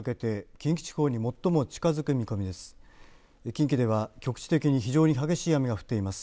近畿では局地的に非常に激しい雨が降っています。